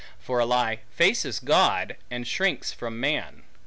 For a lie faces God, and shrinks from man.